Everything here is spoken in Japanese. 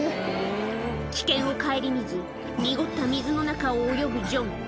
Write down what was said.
危険を顧みず、濁った水の中を泳ぐジョン。